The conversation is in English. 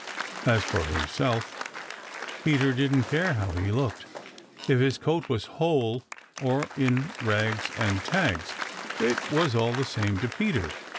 As for himself, Peter didn't care how he looked. If his coat was whole, or in rags and tags, it was all the same to Peter.